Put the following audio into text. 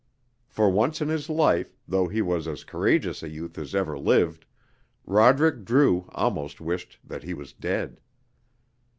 For once in his life, though he was as courageous a youth as ever lived, Roderick Drew almost wished that he was dead.